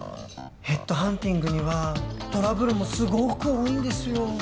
「ヘッドハンティングにはトラブルもすごく多いんですよ」